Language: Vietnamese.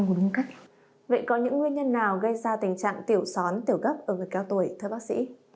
vậy có những nguyên nhân nào gây ra tình trạng tiểu són tiểu cấp ở người cao tuổi thưa bác sĩ